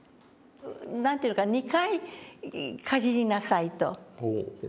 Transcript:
何て言うのかな「２回かじりなさい」と。